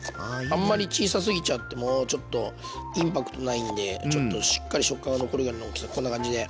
あんまり小さすぎちゃってもちょっとインパクトないんでちょっとしっかり食感が残るぐらいの大きさこんな感じで。